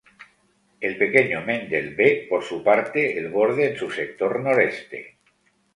El pequeño "Mendel B" por su parte el borde en su sector noreste.